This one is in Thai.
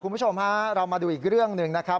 คุณผู้ชมฮะเรามาดูอีกเรื่องหนึ่งนะครับ